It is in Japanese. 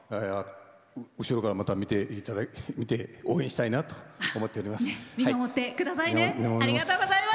後ろからまた見て応援したいなと思っております。